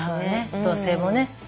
同棲もね。